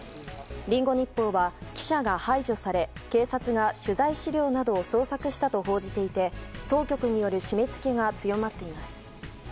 リンゴ日報は、記者が排除され警察が取材資料などを捜索したと報じていて当局による締め付けが強まっています。